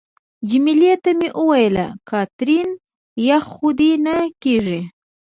جميله ته مې وویل: کاترین، یخ خو دې نه کېږي؟